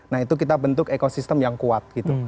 nah itu kita bentuk ekosistem yang kuat gitu